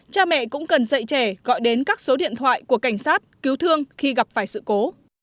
cha mẹ cũng cần dạy trẻ gọi đến các số điện thoại của cảnh sát cứu thương khi gặp phải sự cố